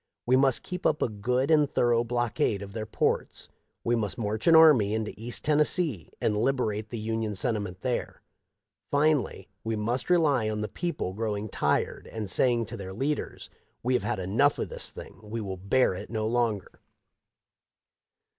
We must keep up a good and thorough blockade of their ports. We must march an army into east Tennessee and liberate the Union sentiment there. Finally we must rely on the people growing tired and saying to their leaders :' We have had enough of this thing, we will bear it no longer.'